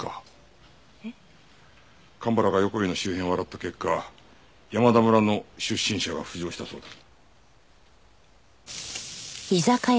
蒲原が横井の周辺を洗った結果山田村の出身者が浮上したそうだ。